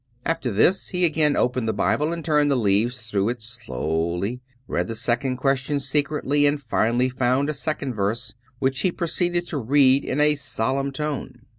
After this he again opened the Bible and turned the leaves through it slowly, read the second question secretly, and finally found a second verse, which he proceeded to read in a solemn tone.